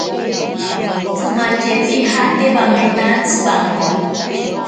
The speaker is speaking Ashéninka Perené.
Tsimatye pijate bametantsipanko.